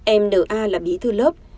em n a là bí thư lớp